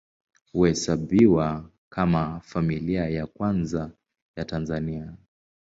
Huhesabiwa kama Familia ya Kwanza ya Tanzania.